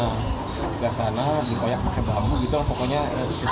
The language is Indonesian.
terus ke sana dikoyak pakai bambu gitu pokoknya disitu